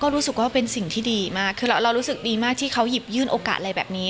รู้สึกว่าเป็นสิ่งที่ดีมากคือเรารู้สึกดีมากที่เขาหยิบยื่นโอกาสอะไรแบบนี้